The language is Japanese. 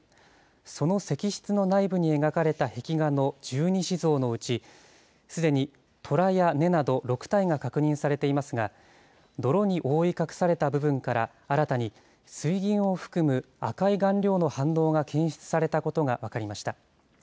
その石室の内部に描かれた壁画の十二支像のうち、すでに寅や子など６体が確認されていますが、泥に覆い隠された部分から、新たに水銀を含む赤い顔料の反応が検出されたことが分かりました。